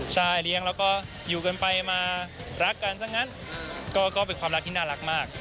ใช่เลี้ยงแล้วก็อยู่กันไปมารักกันซะงั้นก็เป็นความรักที่น่ารักมาก